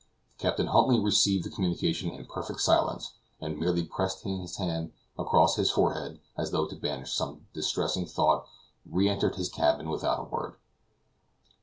Captain Huntly received the communication in perfect silence, and merely passing his hand across his forehead as though to banish some distressing thought, re entered his cabin without a word.